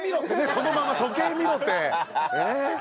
そのまま時計見ろって。